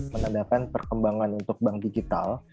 menandakan perkembangan untuk bank digital